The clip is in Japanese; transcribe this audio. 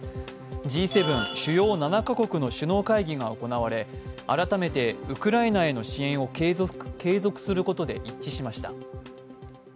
Ｇ７＝主要７か国首脳会議が行われ、改めてウクライナへの支援を継続することで一致しました。